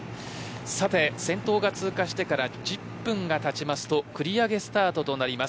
先頭が通過してから１０分がたちますと繰り上げスタートとなります。